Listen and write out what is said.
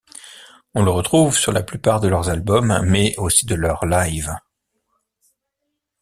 On le retrouve sur la plupart de leurs albums mais aussi de leurs lives.